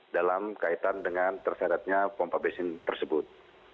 dalam kaitan dengan terseretnya pompa bensin tersebut